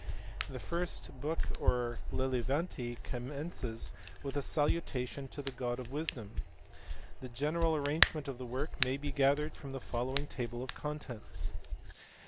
The first book or Lilavati commences with a salutation to the god of wisdom. The general arrangement of the work may be gathered from the following table of contents.